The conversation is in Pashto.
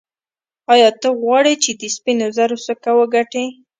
ایا ته غواړې چې د سپینو زرو سکه وګټې.